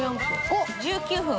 おっ１９分。